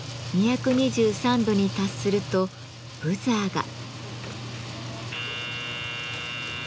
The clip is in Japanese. ２２３度に達するとブザーが。